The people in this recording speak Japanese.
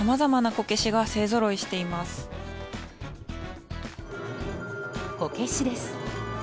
こけしです。